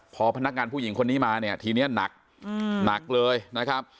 พอพนักงานผู้หญิงคนนี้มาเนี่ยทีนี้หนักหนักเลยนะครับ